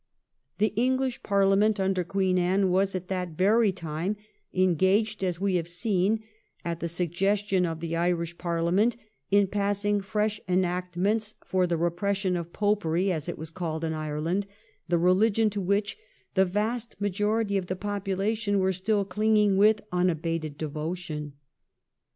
The English Parliament under Queen Anne was at that very time engaged, as we have seen, at the suggestion of the Irish Parliament, in passing fresh enactments for the repression of Popery, as it was called, in Ireland, the religion to which the vast majority of the population were still clinging with unabated devotion.